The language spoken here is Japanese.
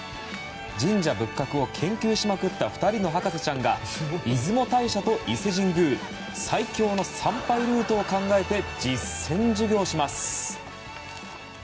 神社仏閣を研究しまくった２人の博士ちゃんが出雲大社と伊勢神宮最強の参拝ルートを考えて実践授業します。